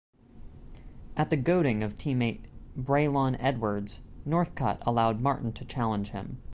At the goading of teammate Braylon Edwards, Northcutt allowed Martin to challenge him.